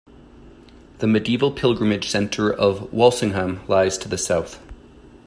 The medieval pilgrimage centre of Walsingham lies to the south.